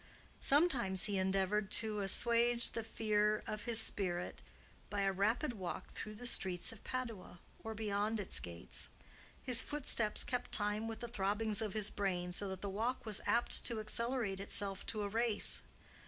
Sometimes he endeavored to assuage the fever of his spirit by a rapid walk through the streets of Padua or beyond its gates: his footsteps kept time with the throbbings of his brain, so that the walk was apt to accelerate itself to a race.